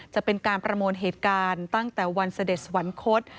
จะเป็นการประมวลเหตุการณ์ตั้งแต่วันเสด็จสวรรคต